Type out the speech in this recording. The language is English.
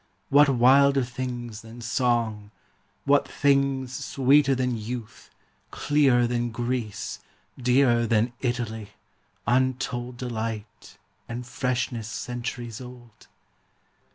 What wilder things than song, what things Sweeter than youth, clearer than Greece, Dearer than Italy, untold Delight, and freshness centuries old?